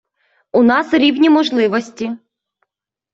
У нас рівні можливості.